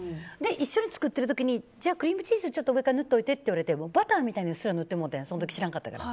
一緒に作ってる時にクリームチーズをちょっと上から塗っておいてって言われたらバターみたいにうっすら塗ってしもうてん知らんかったから。